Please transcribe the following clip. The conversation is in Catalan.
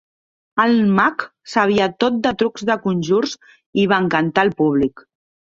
El mag sabia tot de trucs de conjurs i va encantar el públic.